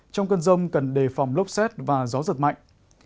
trong cơn rông cần đề phòng lốc xét và gió giật mạnh